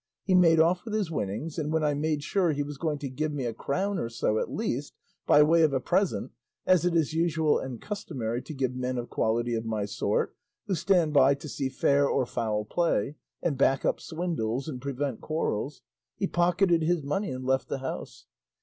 He made off with his winnings, and when I made sure he was going to give me a crown or so at least by way of a present, as it is usual and customary to give men of quality of my sort who stand by to see fair or foul play, and back up swindles, and prevent quarrels, he pocketed his money and left the house.